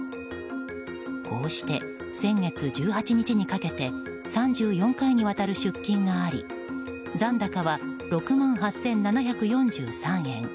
こうして先月１８日にかけて３４回にわたる出金があり残高は６万８７４３円。